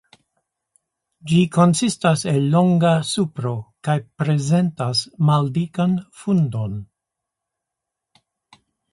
Ĝi konsistas el longa supro kaj prezentas maldikan fundon.